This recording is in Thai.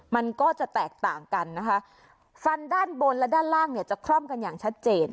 มันก็จะแตกต่างกันนะคะฟันด้านบนและด้านล่างเนี่ยจะคล่อมกันอย่างชัดเจน